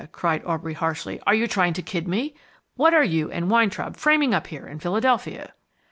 cried Aubrey harshly. "Are you trying to kid me? What are you and Weintraub framing up here in Philadelphia?"